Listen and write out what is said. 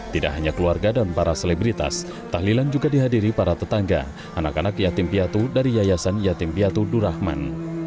tidak hanya keluarga dan para selebritas tahlilan juga dihadiri para tetangga anak anak yatim piatu dari yayasan yatim piatu durahman